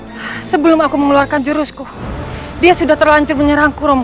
hai sebelum aku mengeluarkan jurusku dia sudah terlanjur menyerang kurungmu